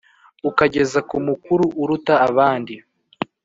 ukageza ku mukuru uruta abandi